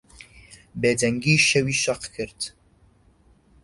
بێدەنگیی شەوی شەق کرد.